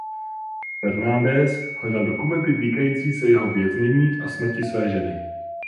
Fernández hledal dokumenty týkající se jeho věznění a smrti své ženy.